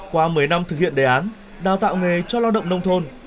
qua mấy năm thực hiện đề án đào tạo nghề cho lao động nông thôn